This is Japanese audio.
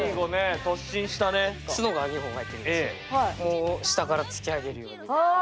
ツノが２本生えてるんですけどもう下から突き上げるように。